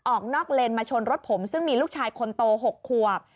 ออกนอกเลนมาชนรถผมซึ่งมีลูกชายคนโต๖ขวบ